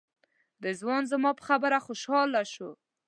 رضوان زما په خبره خوشاله شو.